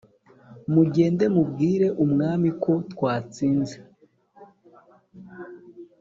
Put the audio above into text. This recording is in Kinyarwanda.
mugende mubwire umwami ko twatsinze